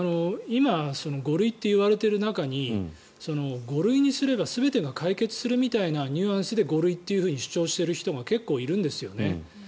今、５類といわれている中に５類にすれば全てが解決するみたいなニュアンスで５類と主張している人が結構いるんですよね。